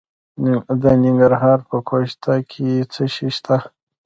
د ننګرهار په ګوشته کې څه شی شته؟